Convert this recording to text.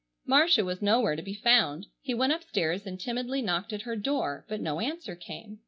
Marcia was nowhere to be found. He went upstairs and timidly knocked at her door, but no answer came.